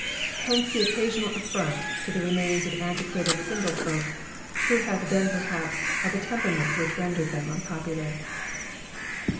Hence the occasional affront to the remains of antiquated single folk, who had been perhaps of a temperament which rendered them unpopular.